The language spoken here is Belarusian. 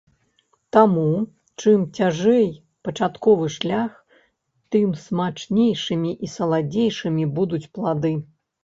Таму, чым цяжэй пачатковы шлях, тым смачнейшымі і саладзейшымі будуць плады.